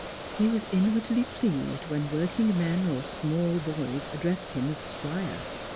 He was inwardly pleased when working men or small boys addressed him as squire.